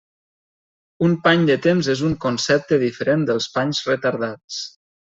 Un pany de temps és un concepte diferent dels panys retardats.